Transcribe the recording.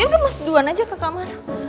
ya udah mas duluan aja ke kamar